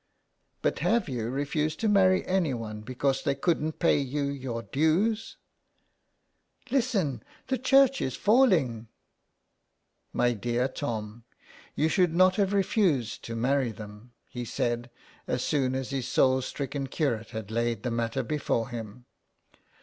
" But have you refused to marry anyone because they couldn't pay you your dues ?"" Listen, the church is falling." *' My dear Tom, you should not have refused to marry them," he said, as soon as his soul stricken curate had laid the matter before him.